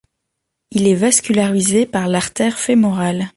Il est vascularisé par l'artère fémorale.